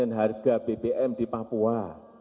jangan garap porta